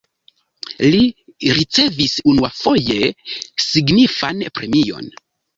Li ricevis unuafoje signifan premion.